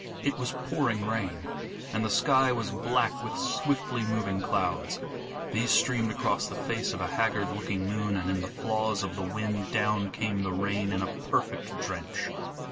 It was pouring rain, and the sky was black with swiftly moving clouds. These streamed across the face of a haggard looking moon, and in the flaws of the wind down came the rain in a perfect drench.